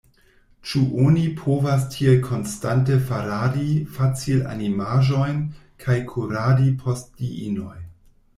Ĉu oni povas tiel konstante faradi facilanimaĵojn kaj kuradi post diinoj?